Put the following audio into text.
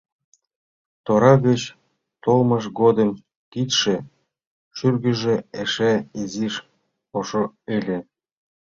Тора гыч толмыж годым кидше-шӱргыжӧ эше изиш ошо ыле.